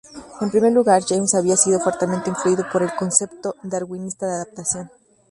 En primer lugar, James había sido fuertemente influido por el concepto Darwinista de adaptación.